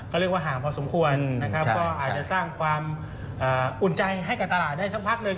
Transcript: ก็เรียกว่าห่างพอสมควรนะครับก็อาจจะสร้างความอุ่นใจให้กับตลาดได้สักพักหนึ่ง